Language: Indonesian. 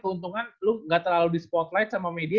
keuntungan lo gak terlalu di spotlight sama media